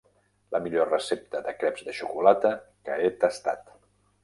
La millor recepta de creps de xocolata que he tastat.